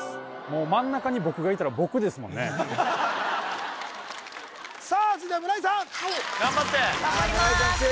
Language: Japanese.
もう真ん中に僕がいたら僕ですもんねさあ続いては村井さん・頑張って頑張ります